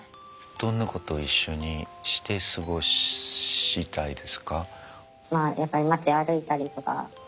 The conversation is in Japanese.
どんなことを一緒にして過ごしたいですか？